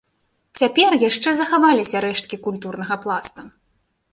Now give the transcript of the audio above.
Цяпер яшчэ захаваліся рэшткі культурнага пласта.